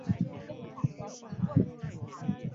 望麒麟育有独生女望阿参。